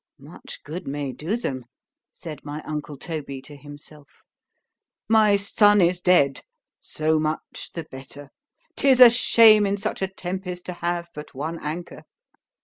—Much good may do them—said my uncle Toby to himself.—— "My son is dead!—so much the better;—'tis a shame in such a tempest to have but one anchor.